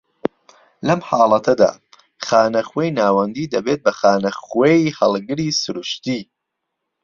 لەم حاڵەتەدا، خانە خوێی ناوەندی دەبێت بە خانی خوێی هەڵگری سروشتی